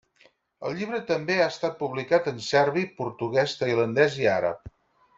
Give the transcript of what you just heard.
El llibre també ha estat publicat en serbi, portuguès, tailandès i àrab.